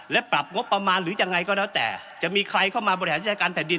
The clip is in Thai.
และปรับงบประมาณหรือยังไงก็แล้วแต่จะมีใครเข้ามาบริหารจัดการแผ่นดิน